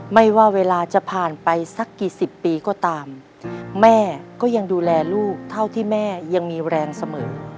ไม่ว่าเวลาจะผ่านไปสักกี่สิบปีก็ตามแม่ก็ยังดูแลลูกเท่าที่แม่ยังมีแรงเสมอ